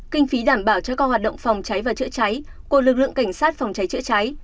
kinh phí đảm bảo cho các hoạt động phòng cháy và chữa cháy của lực lượng cảnh sát phòng cháy chữa cháy